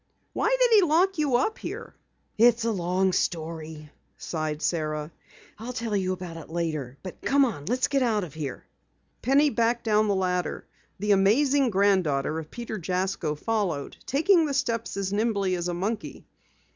"Why did he lock you up here?" "It's a long story," sighed Sara. "I'll tell you about it later. Come on, let's get out of here." Penny backed down the ladder. The amazing granddaughter of Peter Jasko followed, taking the steps as nimbly as a monkey.